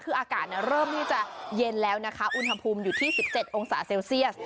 คืออากาศเริ่มที่จะเย็นแล้วนะคะอุณหภูมิอยู่ที่๑๗องศาเซลเซียส